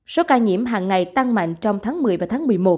số ca nhiễm hàng ngày tăng mạnh trong tháng một mươi và tháng một mươi một